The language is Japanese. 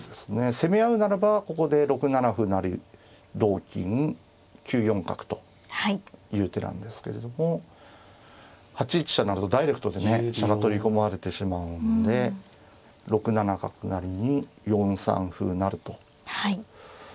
攻め合うならばここで６七歩成同金９四角という手なんですけれども８一飛車成とダイレクトでね飛車が飛び込まれてしまうんで６七角成に４三歩成と攻め合われて。